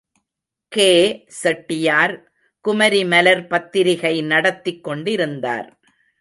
K. Chettiar Kumari Malar பத்திரிகை நடத்திக் கொண்டிருந்தார்.